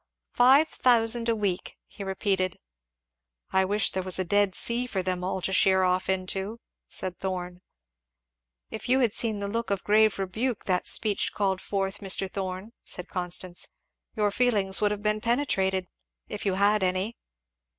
"Five thousand a week!" he repeated. "I wish there was a Dead Sea for them all to sheer off into!" said Thorn. "If you had seen the look of grave rebuke that speech called forth, Mr. Thorn," said Constance, "your feelings would have been penetrated if you have any."